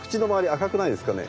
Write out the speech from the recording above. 赤くないですかね？